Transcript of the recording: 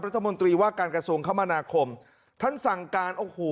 รัฐมนตรีว่าการกระทรวงคมนาคมท่านสั่งการโอ้โห